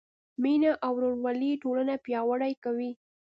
مینه او ورورولي ټولنه پیاوړې کوي.